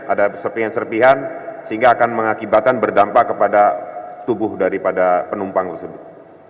ada serpihan serpihan sehingga akan mengakibatkan berdampak kepada tubuh daripada penumpang tersebut